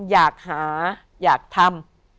อยากหาอยากทำ